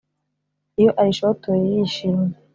iyo arishotoye yishimye